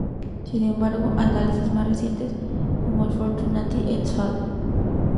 Sin embargo, análisis más recientes como el de Fortuny "et al.